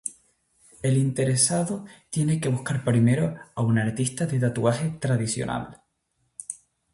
El interesado tiene que buscar primero a un artista de tatuaje tradicional.